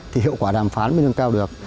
thì hiệu quả đàm phán mới nâng cao được